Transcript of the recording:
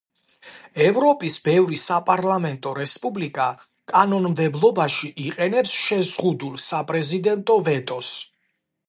ევროპის ბევრი საპარლამენტო რესპუბლიკა კანონმდებლობაში იყენებს შეზღუდულ საპრეზიდენტო ვეტოს.